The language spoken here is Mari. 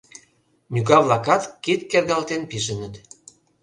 Ньога-влакат кид кергалтен пижыныт.